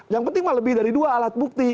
yang penting lebih dari dua alat bukti